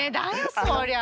そりゃさ。